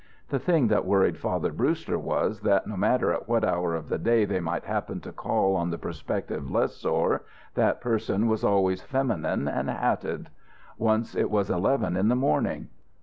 The thing that worried Father Brewster was that, no matter at what hour of the day they might happen to call on the prospective lessor, that person was always feminine and hatted. Once it was eleven in the morning.